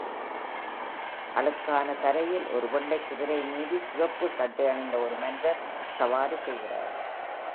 அழுக்கான தரையில் ஒரு வெள்ளைக் குதிரை மீது சிவப்பு சட்டை அணிந்த ஒரு மனிதர் சவாரி செய்கிறார்.